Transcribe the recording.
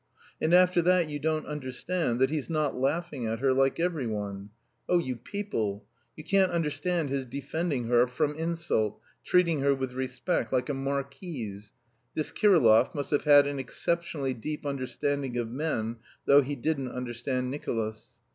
"And after that you don't understand that he's not laughing at her like every one. Oh, you people! You can't understand his defending her from insult, treating her with respect 'like a marquise' (this Kirillov must have an exceptionally deep understanding of men, though he didn't understand Nicolas).